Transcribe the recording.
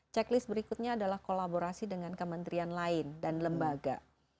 checklist berikutnya adalah kolaborasi dengan kementerian lain dan lembaga